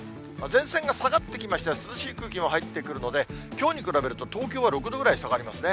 前線が下がってきまして、涼しい空気も入ってくるので、きょうに比べると、東京は６度ぐらい下がりますね。